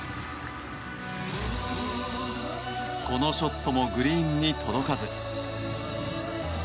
このショットもグリーンに届かず。